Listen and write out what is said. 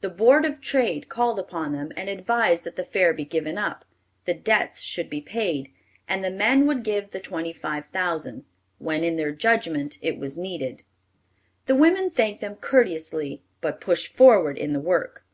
The Board of Trade called upon them and advised that the fair be given up; the debts should be paid, and the men would give the twenty five thousand, when, in their judgment, it was needed! The women thanked them courteously, but pushed forward in the work.